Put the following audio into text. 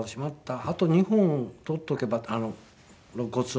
あと２本取っておけば」って肋骨を。